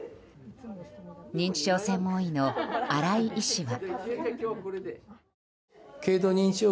認知症専門医の新井医師は。